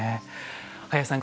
林さん